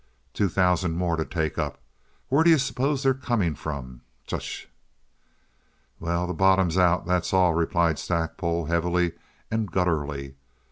"Two thousand more to take up! Where d'you suppose they are coming from? Tch!" "Well, the bottom's out, that's all," replied Stackpole, heavily and gutturally.